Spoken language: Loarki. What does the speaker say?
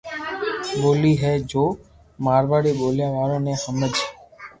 ڀولي ھي جو مارواڙي ٻوليا وارو ني ھمج